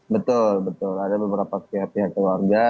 betul betul ada beberapa pihak pihak keluarga